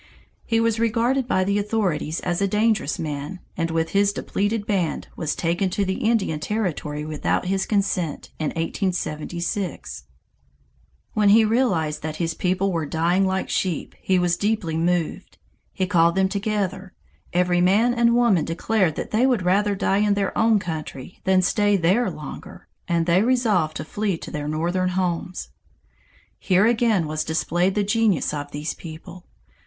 He was regarded by the authorities as a dangerous man, and with his depleted band was taken to the Indian Territory without his consent in 1876. When he realized that his people were dying like sheep, he was deeply moved. He called them together. Every man and woman declared that they would rather die in their own country than stay there longer, and they resolved to flee to their northern homes. Here again was displayed the genius of these people.